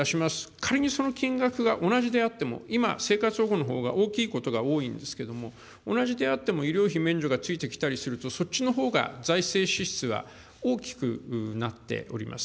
仮にその金額が同じであっても、今、生活保護のほうが大きいことが多いんですけれども、同じであっても医療費免除がついてきたりすると、そっちのほうが財政支出は大きくなっております。